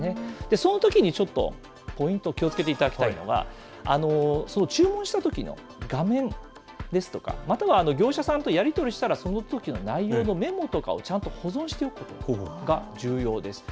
そのときにちょっとポイント、気をつけていただきたいのは、その注文したときの画面ですとか、または業者さんとやり取りしたら、そのときの内容のメモとかをちゃんと保存しておくということが重要です。